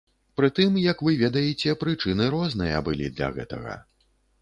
Прытым, як вы ведаеце, прычыны розныя былі для гэтага.